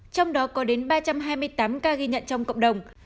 trong đó có đến ba trăm hai mươi tám ca ghi nhận